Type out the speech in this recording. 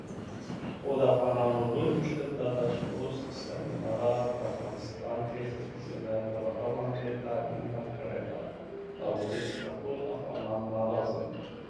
Each athlete gets three attempts, with places determined by the best throw.